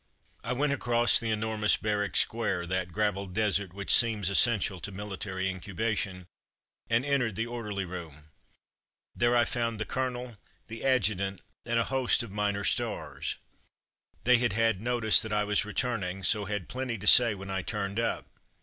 I went across the enormous barrack square — that gravel desert which seems essential to military incubation — and en tered the orderly room. There I found the The Depot 15 colonel, the adjutant, and a host of minor stars. They had had notice that I was re turning, so had plenty to say when I turned up.